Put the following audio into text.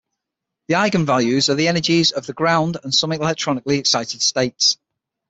The eigenvalues are the energies of the ground and some electronically excited states.